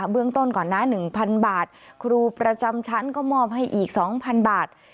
เบื้องต้นก่อนนะ๑๐๐บาทครูประจำชั้นก็มอบให้อีก๒๐๐บาท